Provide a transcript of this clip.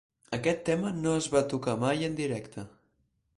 Aquest tema no es va tocar mai en directe.